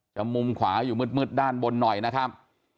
มุมขวาอยู่มืดด้านบนหน่อยนะครับ